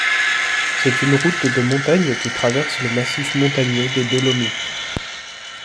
C'est une route de montagne qui traverse le massif montagneux des Dolomites.